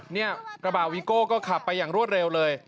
กระบะวีโก้ก็ขับไปอย่างรวดเร็วเลย